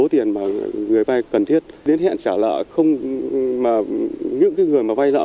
cái số tiền mà người vay cần thiết đến hẹn trả lợi không mà những cái người mà vay lợi